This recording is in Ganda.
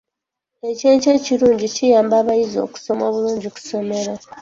Ekyenkya ekirungi kiyamba abayizi okusoma obulungi ku ssomero.